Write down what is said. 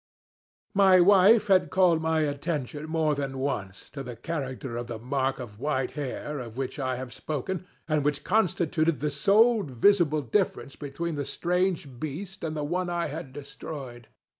My wife had called my attention, more than once, to the character of the mark of white hair, of which I have spoken, and which constituted the sole visible difference between the strange beast and the one I had destroyed.